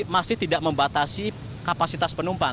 masih tidak membatasi kapasitas penumpang